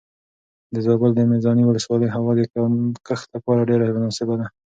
د زابل د میزانې ولسوالۍ هوا د کښت لپاره ډېره مناسبه ده.